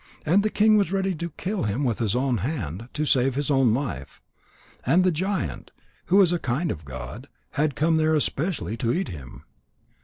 And the king was ready to kill him with his own hand, to save his own life. And the giant, who is a kind of a god, had come there especially to eat him.